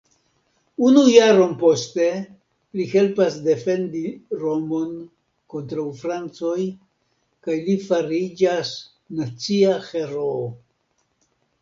Unu jaron poste li helpas defendi Romon kontraŭ francoj kaj li fariĝas nacia heroo.